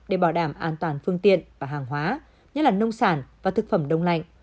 để bảo đảm an toàn phương tiện và hàng hóa nhất là nông sản và thực phẩm đông lạnh